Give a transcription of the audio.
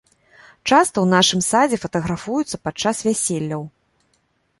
Часта ў нашым садзе фатаграфуюцца падчас вяселляў.